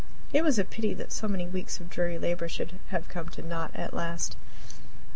It was a pity that so many weeks of dreary labor should have come to naught at last.